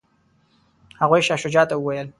هغوی شاه شجاع ته وویل.